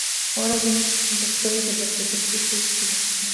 Ahora vive en las montañas de la prefectura de Chiba.